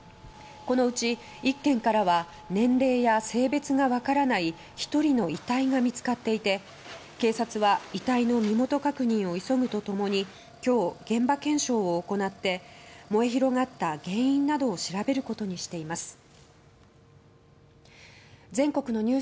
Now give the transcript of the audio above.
このうち１軒からは年齢や性別が分からない１人の遺体が見つかっていて警察は遺体の身元確認を急ぐと共に今日、現場検証を行って燃え広がった原因などを調べることにしています。